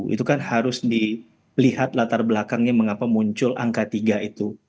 itu kan harus dilihat latar belakangnya mengapa muncul angka tiga itu